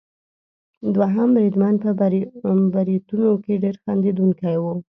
دوهم بریدمن په بریتونو کې ډېر خندوونکی وو.